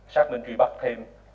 sát minh truy bắt thêm